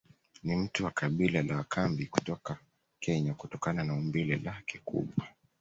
Ni mtu wa kabila la wakambi kutoka Kenya kutokana na umbile lake kubwa